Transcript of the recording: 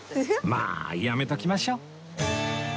まあやめときましょ